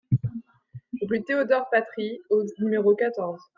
Rue Théodore Patry au numéro quatorze